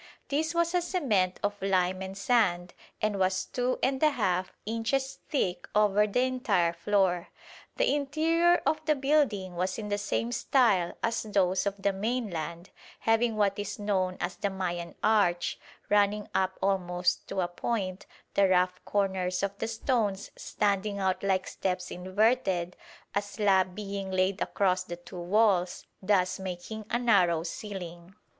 This was a cement of lime and sand, and was two and a half inches thick over the entire floor. The interior of the building was in the same style as those of the mainland, having what is known as the Mayan arch, running up almost to a point, the rough corners of the stones standing out like steps inverted, a slab being laid across the two walls, thus making a narrow ceiling.